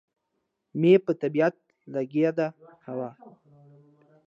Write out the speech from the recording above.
مې په طبیعت لګېده، هو.